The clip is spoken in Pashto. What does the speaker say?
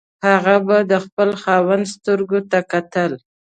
هغه به د خپل خاوند سترګو ته کتل.